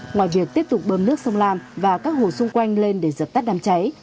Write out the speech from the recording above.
ngoài việc tiếp tục bơm nước sông lam và các hồ xung quanh lên để dập tắt đám cháy